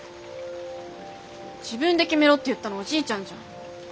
自分で決めろって言ったのおじいちゃんじゃん。